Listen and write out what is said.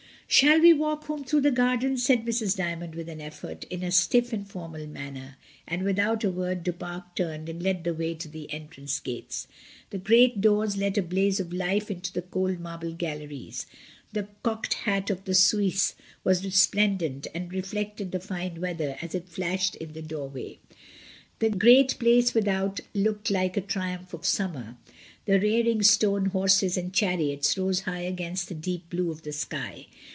"Shall we walk home through the gardens?" said Mrs. Dymond with an effort, in her stiff and formal manner; and without a word Du Pare turned and led the way to the entrance gates. The great doors let a blaze of light into the cold marble galleries; the cocked hat of the Suisse was resplendent and reflected the fine weather as it flashed in the SAYING "GOOD BYE." I3I doorway; the great place without looked like a triumph of summer; the rearing stone horses and chariots rose high against the deep blue of the sky.